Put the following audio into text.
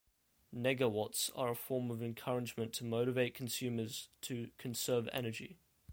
Negawatts are a form of encouragement to motivate consumers to conserve energy.